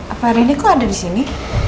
apa hari ini kok ada disini